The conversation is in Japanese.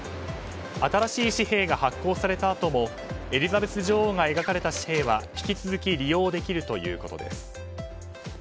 新しい紙幣が発行されたあともエリザベス女王が描かれた紙幣は引き続き利用できるということです。